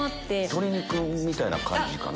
鶏肉みたいな感じかな？